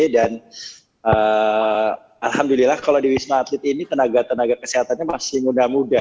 dan alhamdulillah kalau di wisma atlet ini tenaga tenaga kesehatannya masih mudah mudah